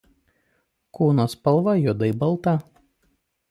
Kūno spalva juodai balta.